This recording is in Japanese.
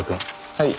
はい。